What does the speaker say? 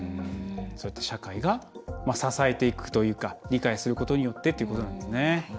社会が支えていくというか理解をするようになってということなんですね。